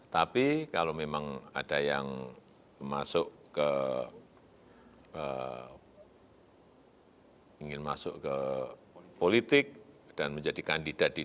tapi kalau memang ada yang ingin masuk ke politik dan menjadi kandidat di dua ribu dua puluh empat